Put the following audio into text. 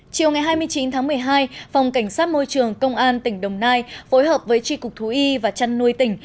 chiều ngày hai mươi chín tháng một mươi hai phòng cảnh sát môi trường công an tỉnh đồng nai phối hợp với tri cục thú y và chăn nuôi tỉnh